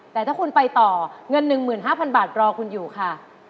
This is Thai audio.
แต่ถ้าคุณไปต่อเงิน๑เหมือน๕พันบาทรอคุณอยู่ค่ะ